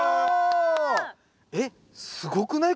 えっすごくない？